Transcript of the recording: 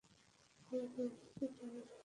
পাঁচ ভাইয়ের মধ্যে তিনি সবার বড়ো ছিলেন।